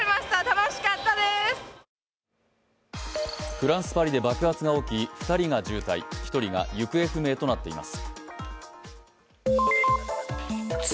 フランス・パリで爆発が起き２人が重体、１人が行方不明となっています。